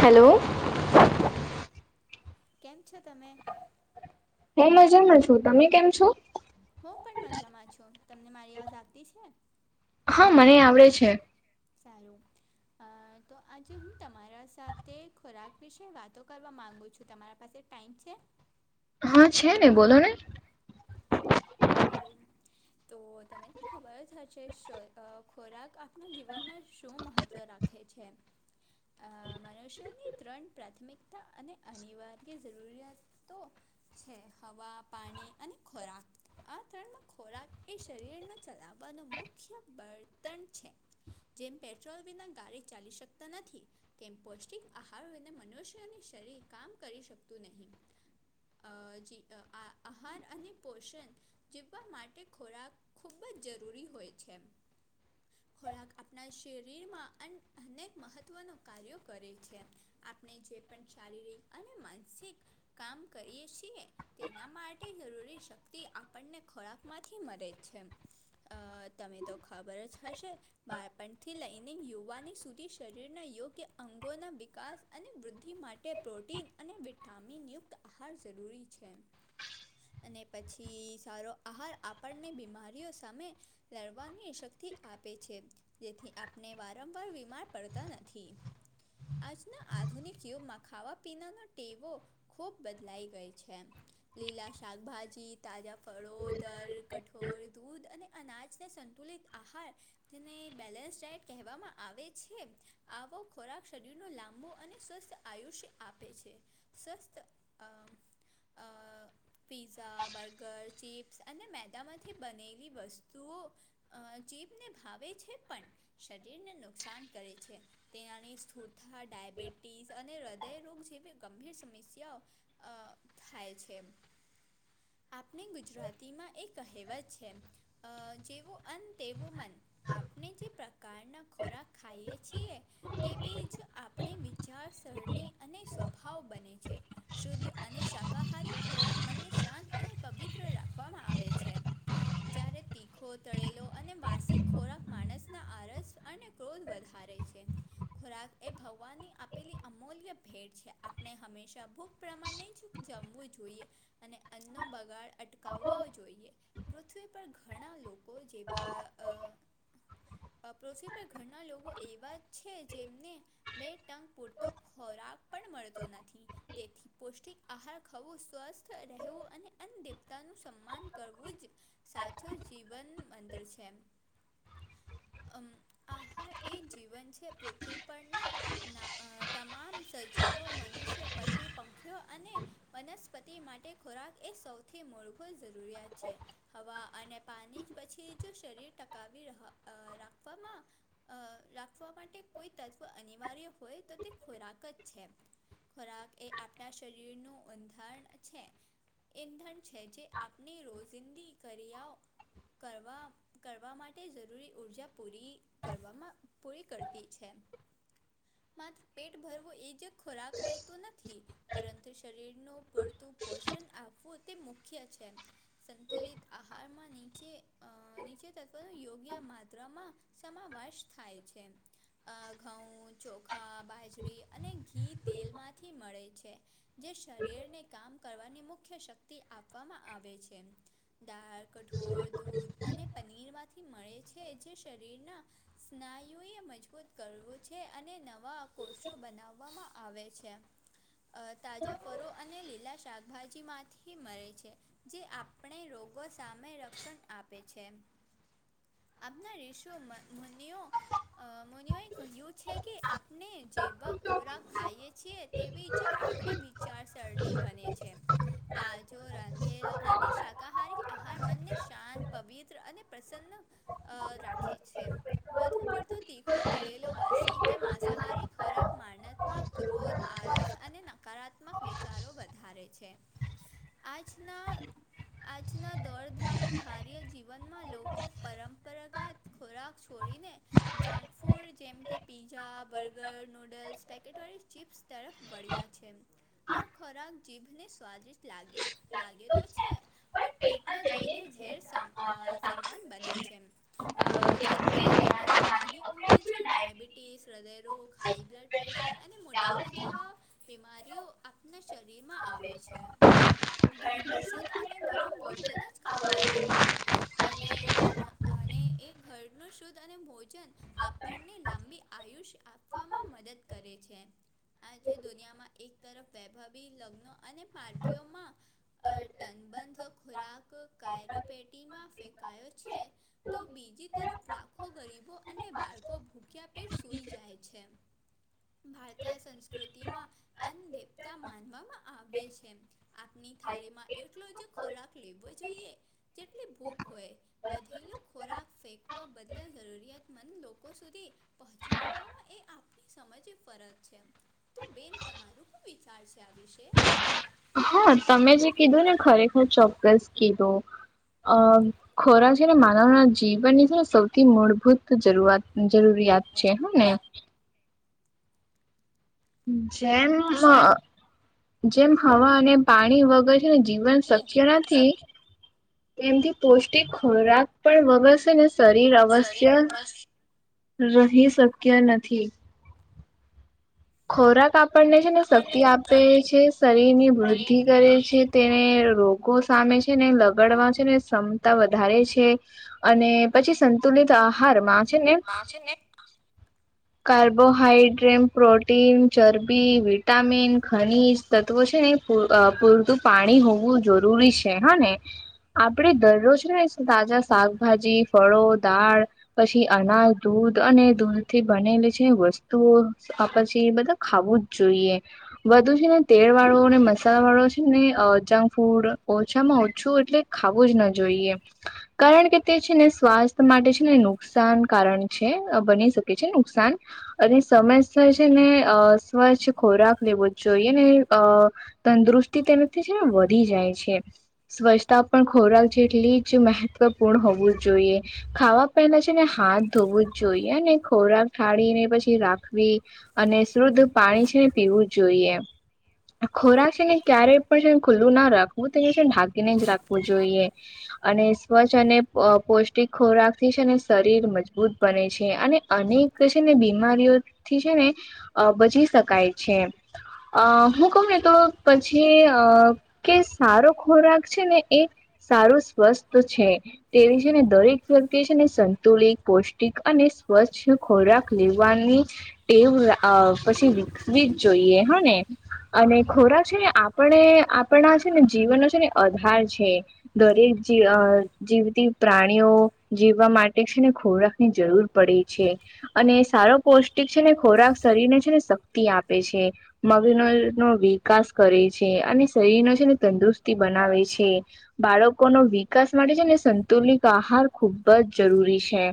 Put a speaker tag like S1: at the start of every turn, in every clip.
S1: Hello
S2: કેમ છો તમે?
S1: હું મજામાં છું તમે કેમ છો?
S2: હું પણ મજામાં છું તમને મારી અવાજ આવતી છે?
S1: હા મને આવડે છે.
S2: સારું. અ તો આજે હું તમારા સાથે ખોરાક વિશે વાતો કરવા માગુ છું તમારા પાસે ટાઈમ છે?
S1: હા છે ને બોલો ને
S2: સારું તો તને તો ખબર જ હશે શ ખોરાક આપણા જીવનમાં શું મહત્ત્વ રા ખે છે. મનુષ્યની ત્રણ પ્રાથમિકતા અને અનિવાર્ય જરૂરિયાત તો છે હવા, પાણી અને ખોરાક આ ત્રણમા ખોરાક એ શરીરનો ચલાવવાનું મુખ્ય બળતણ છે. જેમ પેટ્રોલ વિના ગાડી ચાલી શકતી નથી તેમ પૌષ્ટિક આહારોને મનુષ્યની શરીર કામ કરી શકતું નહીં. જી આ આહાર અને પોષણ જીવવા માટે ખોરાક ખૂબ જ જરૂરી હોય છે. ખોરાક આપણા શરીરમાં અનેક મહત્વનો કાર્યો કરે છે. આપણે જે પણ શારીરિક અને માનસિક કામ કરીએ છીએ તેના માટે જરૂરી શક્તિ આપ પણને ખોરાકમાંથી મરે જ છે તમે તો ખબર જ હશે બાળપણથી લઈને યુવાની સુધી શરીરના યોગ્ય અંગોના વિકાસ અને વૃદ્ધિ માટે પ્રોટીન અને વિટામિનયુક્ત આહાર જરૂરી છે. અને પછી સારો આહાર આપણને બીમારીઓ સામે લડવાની શક્તિ આપે છે. જેથી આપને વારંવાર બીમાર પડતા નથી આજના આધુનિક યુગમાં ખાવા પીનાના ટેવો ખૂબ બદલાઈ ગઈ છે. લીલા શાકભાજી, તાજા ફળો, દર, કઠોળ, દૂધ અને અનાજને સંતુલિત આહાર તેને બેલેન્સ ડાયટ કહેવામાં આવે છે આવો ખોરાક શરીરનો લાંબો અને સ્વસ્થ આયુષ્ય આપે છે સ્વસ્થ અ પીઝા, બર્ગર્સ ચિપ્સ અને મેંદામાંથી બનેલી વસ્તુઓ જીભને ભાવે છે પણ શરીરને નુકસાન કરે છે. તેનાથી સ્થૂળતા ડાયાબિટીસ અને હૃદયરોગ જેવી ગંભીર સમસ્યાઓ અ થાય છે. આપણે ગુજરાતીમાં એ કહેવત છે જેવો અન્ન તેવું મન આપણે જે પ્રકારના ખોરાક ખાઈએ છીએ તેવી જ આપણી વિચારસરણી અને સ્વભાવ બને છે. શુદ્ધ અને શાકાહારી ખોરાક મનને શાંત અને પવિત્ર રાખવામાં આવે છે. જ્યારે તીખો તળેલો અને વાસી ખોરાક માણસના આળસ અને ક્રોધ વધારે છે. ખોરાક એ ભગવાનની આપેલી અમૂલ્ય ભેટ છે. આપણે હંમેશા ભૂખ પ્રમાણે જ જમવું જોઈએ અને અન્નો બગાડ અટકાવવો જોઈએ. પૃથ્વી પર ઘણા લોકો જેવા અ આ પૃથ્વી ધણા લોકો એવા છે જેમને મેં ટંક પૂરતો ખોરાક પણ મળતો નથી. તેથી પૌષ્ટિક આહાર ખાવો સ્વસ્થ રહેવું અને અન્ન દેવતા નું સન્માન કરવું જ સાચો જીવન મંત્ર છે. આહાર એ જીવન છે પૃથ્વી પર ના ના તમામ સજીવો મનુષ્ય, પશુ, પંખીઓ અને વનસ્પતિ માટે ખોરાક એ સૌથી મુળભુત જરૂરિયાત છે. હવા અને પાણી પછી જો શરીર ટકાવી રાખવામાં રાખવા માટે કોઈ તત્વ અનિવાર્ય હોય તો તે ખોરાક જ છે. ખોરાક એ આપણા શરીરનું અંધાણ છે. ઇંધણ છે જે આપની રોજિંદી ક્રિયાઓ કરવા કરવા માટે જરૂરી ઊર્જા પૂરી કરવામાં પૂરી કરતી છે. માત્ર પેટ ભરવું એ જ ખોરાક હોતો નથી. પરંતુ શરીરનું પૂરતું પોષણ આપ વું તે મુખ્ય છે. સંતુલિત આહારમાં નીચે અ નીચે [unintelligible] પણ યોગ્ય માત્રામાં સમાવશ થાય છે એમ ઘઉં ચોખા બાજરી અને ઘી તેલમાંથી મળે છે, જે શરીરને કામ કરવાની મુખ મુખ્ય શક્તિ આપવામાં આવે છે, દાળ, કઠોળ, દૂધ. અને પનીરમાંથી મળે છે જે શરીરના સ્નાયુએ મજબૂત કરવું છે અને નવા કોષો બનાવવામાં આવે છે. [inaudible] તાજા ફરો અને લીલા શાકભાજીમાંથી મળે છે, જે આપણે રોગ રોગો સામે રક્ષણ આપે છે. આપના રિષુ મ મુનિઓ અ મુનીયોએ કહ્યું છે કે આપને જેવા ખોરાક ખાઈએ છીએ તેવી જ આપણી વિચારસરણી બને છે. તો રાંધેલો અને શાકાહારી આહાર મનને શાંત પવિત્ર અને પ્રસન્ન અ રાખે છે. વધુ પડતો તીખો તળેલો વાસી કે માંસાહારી ખોરાક મારણાત્મક ક્રોધ આરસ અને નકારાત્મક વિચારો વધારે છે. આજના આજના દોડધામ ભાર્ય જીવનમાં લોકો પરંપરાગત ખોરાક છોડીને. જંક ફૂડ જેમ કે પીઝા બર્ગર નૂડલ્સ પેકેટ વાળી ચીપ્સ તરફ વળ્યા છે, આ ખોરાક જીભને સ સ્વાદિષ્ટ લાગે-લાગે તો છે. પણ પેટમાં જઈને ઝેર સામ અ સમાન બને છે. અ જેમ કે તેના નાની ઉંમરે છે ડાયાબિટીસ હૃદયરોગ હાઈ બ્લડ પ્રેશર અને મોટાવા જેવા બીમારીઓ આપના શરીરમાં આવે છે. ઘરનો શુદ્ધ અને ગરમ ભોજન જ ખાવા જોઈએ, અને જે લા અને એ ઘરનું શુદ્ધ અને ભોજન આપણને લાંબી આયુષ્ય આપ વામાં મદદ કરે છે, આજે દુનિયામાં એક તરફ વૈભવી લગ્નો અને પાર્ટીઓમાં. અ ટનબંધો ખોરાક કાયરાપેટીમાં ફેંકાયો છે. તો બીજી તરફ લાખો ગરીબો અને બાળકો ભૂખ્યા પેટ સુૂઈ જાય છે. ભારતીય સંસ્કૃતિમાં, અન્નદેવતા માનવામાં આવે છે. કેમ આપની થારીમાં એટલો જ ખોરાક લેવો જોઈએ, જેટલી ભૂખ હોય. વધેલો ખોરાક ફેકવા બદલે જરૂરિયાતમંદ લોકો સુધી પહોંચાડવામાં એ આપણી સમજે ફરજ છે. તો બેન તમારું પણ વિચાર છે આ વિશે?
S1: હ તમે જે કીધું ને ખરેખર ચોક્કસ કીધું. અ ખોરાક છે ને માનવના જીવનની છે ને સૌથી મૂળભૂત જરૂરઆત જરૂરિયાત છે હ ને.
S2: જરૂરિયાત
S1: જેમ અ
S2: છે
S1: જેમ હવા અને પાણી વગર જીવન
S2: છે ને
S1: શક્ય
S2: જીવન
S1: નથી.
S2: શક્તિ
S1: એમકે પૌષ્ટિક ખોરાક પણ વગરશે ને શરીર
S2: શરીર
S1: અવશ્ય
S2: બસ
S1: રહી શક્ય નથી. ખોરાક આપણને છે ને
S2: આપણને
S1: શક્તિ આપે
S2: શક્તિ
S1: છે, શરીર ની વૃદ્ધિ
S2: શરીરની
S1: કરે છે
S2: વૃદ્ધિ
S1: તે ને રોગો સામે છે ને લગાડવા છે ને ક્ષમતા વધારે છે. અને પછી સંતુલિત આહારમાં
S2: માં છે ને
S1: કાર્બોહાઈડ્રેમ પ્રો પ્રન ચરબી વિટામિન ખનીજ તત્વો છે ને. પૂરતું પાણી હોવું જરૂરી છે હા ને. આપડે દરરોજ ને તાજા શાકભાજી ફળો દાળ. પછી અનાજ દૂધ અને દૂધ થી બનેલી છે વસ્તુઓ પછી બધા ખાવું જ જોઈએ વધુ છે ને તેલ વાળોને મ સાલા વાળો છે ને અ જંક ફૂડ ઓછામાં ઓછું એટલે ખાવું જ ના જોઈએ કારણ કે તે છે ને સ્વાસ્થ્ય માટે છે ને નુકસાન કારણ છે બની શકે છે નુકસાન અને સમય સર છે ને અ સ્વચ્છ ખોરાક લેવો જ જોઈએ ને અ તંદુરુસ્તી તેનાથી છે ને વધી જાય છે સ્વચ્છતા પણ ખોરાક જેટલી જ મહત્વપૂર્ણ હોવું જોઈએ ખાવા પેલા છે ને હાથ ધોવું જ જોઈએ અને ખોરાક થાળી ને પછી રાખવી અને શુદ્ધ પાણી છે ને પીવું જોઈએ ખોરાક છે ને ક્યારે પણ છે ખુલ્લું ના રાખવું તો ઢાકીને જ રાખવું જોઈએ અને સ્વચ્છ અને પૌષ્ટિક ખોરાક થી છે ને શરીર મજબૂત બને છે અને અનેક છે ને બીમારીઓ થી છે ને બચી શકાય છે અ હું કવુને તો પછી અ કે સારો ખોરાક છે ને એ સારું સ્વસ્થ છે. તેવી છે ને દરેક વ્યક્તિ છે ને સંતુલિત પૌષ્ટિક અને સ્વચ્છ ખોરાક લેવાની ટેવ પછી વિકસવી જ જોઈએ હા ને અને ખોરાક છે ને આપણે આપણા છે ને જીવનનો છે ને અધાર છે. દરેક જે અ જેમકે પ્રાણીઓ જીવવા માટે છે ને, ખોરાકની જરૂર પડે છે. અને સારો પૌષ્ટિક છે ને, ખોરાક શરીર ને છે ને, શક્તિ આપે છે. મગીનો નો વિકાસ કરે છે, અને શરીર નો છે ને, તંદુરસ્તી બનાવે છે. બાળકોનો વિકાસ માટે છે ને, સંતુલિત આહાર. ખુબ જ જરૂરી છે,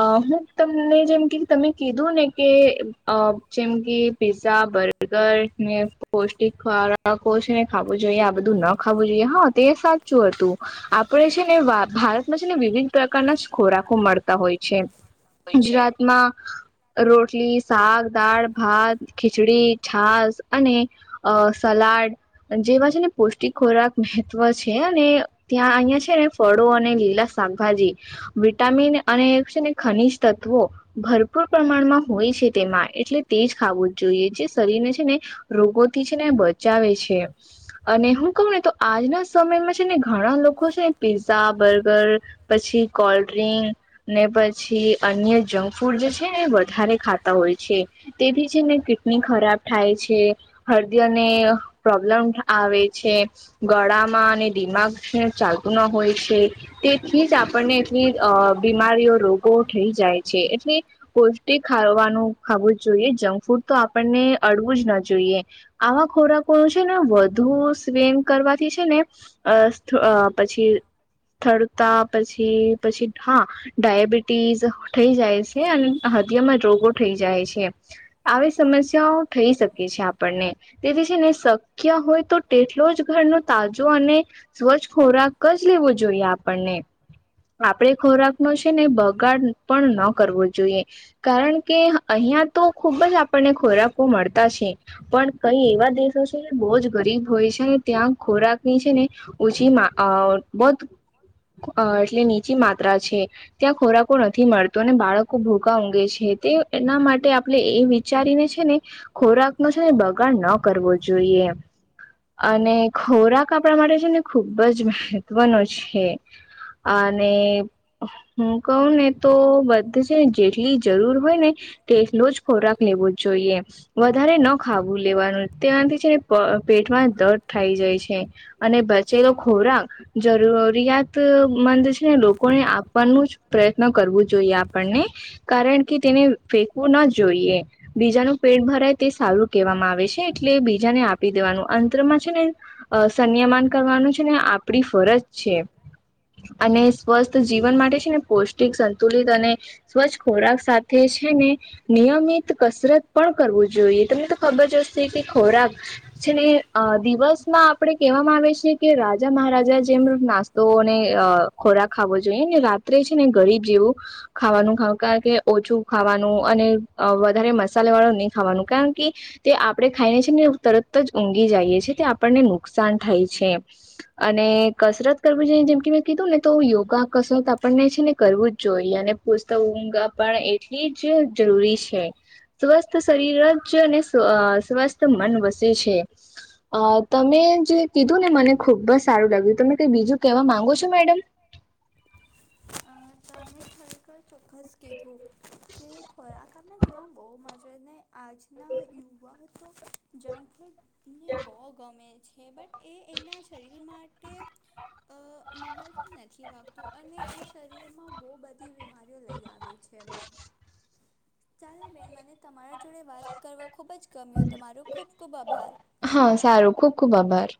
S1: અ હું તમને જેમ કે તમે દું ને કે અ ચિમગી પીઝા બર્ગર ને પૌષ્ટિક ખ્વારા કોષ ને ખાવું જોઈએ આ બધું ના ખાવું જોઈએ હા તે સાચું હતું આપણે છે ને શા ભારત ને વિવિધ પ્રકારના ખોરાકો મળતા હોય છે
S2: હોય છે
S1: ગુજરાતમાં રોટલી શાક દાળ ભાત ખીચડી છાસ અને અ સલાડ જેમાં છે ને પૌષ્ટિક ખોરાક મહત્વ છે અને ત્યાં અહિયાં છે ને ફળો અને લીલા શાકભાજી વિટામિન અને એક છે ને ખનીજ તત્વો ભરપૂર પ્રમાણમાં હોય છે તેમાં એટલે તે જ ખાવું જ જોઈએ જે શરીરને છે ને રોગોથી છે ને બચાવે છે અને હું કહું ને તો આજના સમયમાં છે ને ઘણા લોકો છે ને પીઝા બર્ગર પછી કોલ્ડ ડ્રિંક ને પછી અન્ય જંક ફૂડ જે છે વધારે ખાતા હોય છે તેથી છે ને કિડની ખરાબ થાય છે હૃદયને પ્રોબ્લમ આવે છે ગળામાં અને દિમાગ છે ચાલતું ના હોય છે. તેથી જ આપણને એટલી અ બીમારીઓ રોગો થઈ જાય છે એટલે પૌષ્ટિક ખાવાનું ખાવું જ જોઈએ જંક ફૂડ તો આપણને અડવું જ ના જોઈએ આવા ખોરાકો છે ને વધુ સ્વમ કરવાથી છે ને અ અ પછી થડતા પછી પછી હા ડાયાબિટીસ થઈ જાય છે અને હદયામાં રોગો થઈ જાય છે આવી સમસ્યાઓ થઈ શકે છે આપણને તેથી છે ને શક્ય હોય તો તેટલો જ ઘરનો તાજો અને સ્વચ્છ ખોરાક જ લેવો જોઈએ આપણને આપડે ખોરાક નો છે ને બગાડ પણ ન કરવો જોઈએ કારણ કે અહિયાં તો ખુબ જ આપણને ખોરાકો મળતા છે. પણ કઈ એવા દેશો છે બોજ ગરીબ હોય છે ત્યાં ખોરાકની છે ને ઓછીમાં અ બત અ એટલે નીચી માત્રા છે ત્યાં ખોરાકો નથી મળતુ અને બાળકો ભુ કાં ઊઘે છે તે એના માટે આપણે એ વિચારીને છે ને ખોરાક નો છે ને બગાડ ન કરવો જોઈએ અને ખોરાક આપણા માટે છે ને ખૂબ જ મહત્વનો છે. અને હું કહું ને તો બધું છેને. જેટલી જરૂર હોય, ને તેટલો જ ખોરાક લેવો જોઈએ. વધારે ન ખાવું લેવાનું તેનાથી છેને, પેટમા દર્દ થઇ જાય છે. અને બચેલો ખોરાક જરૂરિયાતમંદ છેને, લોકોને આપવાનું જ પ્રયત્ન કરવું જોઈએ આપણને કારણ કે તેને ફેકવુ ન જોઈએ. બીજાનું પેટ ભરાય તે સારું કહેવામાં આવે છે, એટલે બીજાને આપી દેવાનું અંત્રમાં છેને. અ સંન્યમાન કરવાનું છેને, આપણી ફરજ છે. અને સ્વસ્થ જીવન માટે છે ને પૌષ્ટિક સંતુલિત અને સ્વચ્છ ખોરાક સાથે છેને, નિયમિત કસરત પણ કરવુ જોઈએ, તમને તો ખબર જ હશે કે ખોરાક છેને દિવસમાં આપડે કેહેવામાં આવે છે, કે રાજા મહારાજા જેમ નાસ તોને ખોરાક ખાવો જોઈએ ને રાત્રે છેને, ગરીબ જેવું ખાવાનુ કે ઓછું ખાવાનુ અને વધારે મસાલા વાળું નહી ખાવાનું કારણ કે તે આપણે ખાઈને છે ને તરત જ ઊઘી જઈએ, છીએ તે આપણને નુકસાન થાય છે. અને કસરત કરવુ જોઈએ જેમ કે મેં કીધું ને તો યોગા કસરત આપણને છેને, કરવુંજ જોઈએ અને તો ઊંઘા પણ એટલી જ જરૂરી છે. સ્વસ્થ શરીર જ અને સ્વસ્થ મન વસે છે. અ તમે જે કીધું ને મને ખુબ બ જ સારુ લાગ્યુ તમે કઈ બીજું કેવા માંગો છો, મેડમ
S2: અ તમે ખરેખર ચોક્કસ કીધું કે ખોરાક આમે એવા બો મજને આજના યુવા તો જંગફુડને બહુ ગમે છે, બટ એ એના શરીર માટે મહત્વ નથી રાખતું અને એ શરીરમાં બો બધી બીમારીઓ લઈ આવે છે. ચાલો બેન મને તમારા જોડે વાત કરવા ખૂબ જ ગમ્યો તમારો ખૂબ ખૂબ આભાર
S1: હા સારું ખુબ ખુબ આભાર